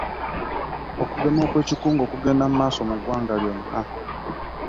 Okugema okw'ekikungo kugenda mu maaso mu ggwanga lyonna.